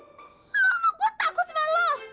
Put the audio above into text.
lama gue takut sama lo